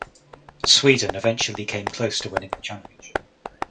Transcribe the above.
Sweden eventually came close to winning the championship.